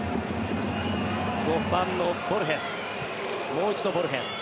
５番のボルヘス。